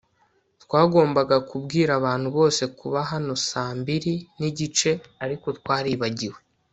Twagombaga kubwira abantu bose kuba hano saa mbiri nigice ariko twaribagiwe